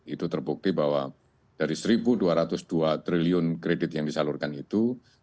itu terbukti bahwa dari rp satu dua ratus dua triliun kredit yang disalurkan itu